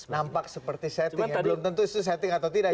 nampak seperti setting belum tentu itu setting atau tidak